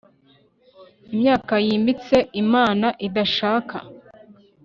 Imyaka yimbitse Imana idashaka